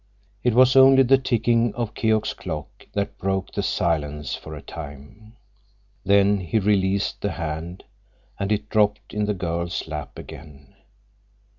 It was only the ticking of Keok's clock that broke the silence for a time. Then he released the hand, and it dropped in the girl's lap again.